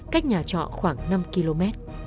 cách nhà trọ khoảng năm km